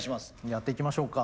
やっていきましょうか。